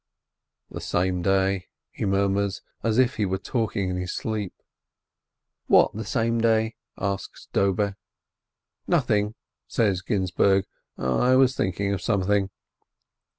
"The same day," he murmurs, as if he were talk ing in his sleep. "What the same day ?" asks Dobe. "Nothing," says Ginzburg. "I was thinking of something."